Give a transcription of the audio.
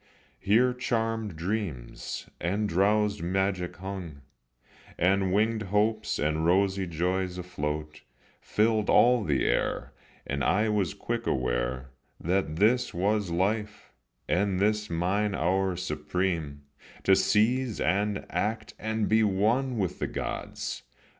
Here charmèd dreams and drowsèd magic hung, And wingèd hopes and rosy joys afloat Filled all the air, and I was quick aware That this was life, and this mine hour supreme, To seize and act and be one with the gods.